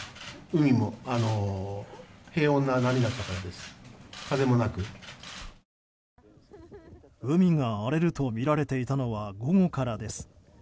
海が荒れるとみられていたのは午後からです。